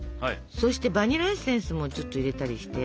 そしてバニラエッセンスもちょっと入れたりして。